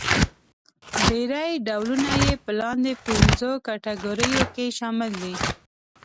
ډېری ډولونه يې په لاندې پنځو کټګوریو کې شامل دي.